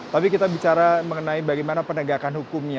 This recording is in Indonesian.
tapi kita bicara mengenai bagaimana penegakan hukumnya